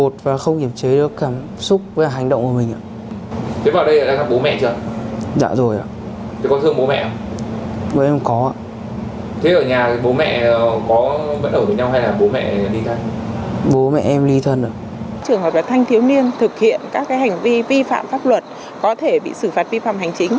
trường hợp thanh thiếu niên thực hiện các hành vi vi phạm pháp luật có thể bị xử phạt vi phạm hành chính